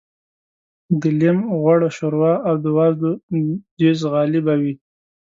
د لېم غوړ شوروا او د وازدو جیزغالي به وې.